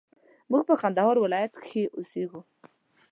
موږ په کندهار ولايت کښي اوسېږو